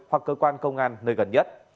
hoặc cơ quan công an nơi gần nhất